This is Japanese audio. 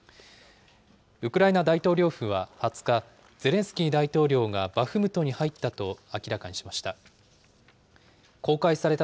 ウクライナ大統領府は２０日、ゼレンスキー大統領がバフムトに入ったと明らかにしました。